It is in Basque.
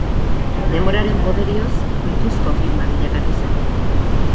Denboraren poderioz kultuzko filma bilakatu zen.